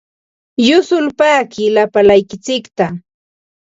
Yusulpaaqi lapalaykitsikta.